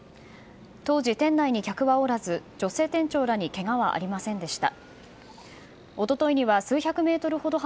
当時、店内に客はおらず女性店長らにけがはありませんでした。